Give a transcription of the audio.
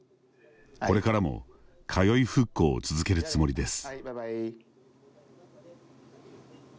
これからも通い復興を続けるつもりです。